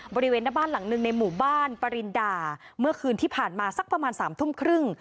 บริเวณหน้าบ้านหลังหนึ่งในหมู่บ้านปริณดาเมื่อคืนที่ผ่านมาสักประมาณ๓ทุ่มครึ่ง